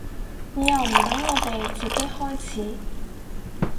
你又唔等我哋自己開始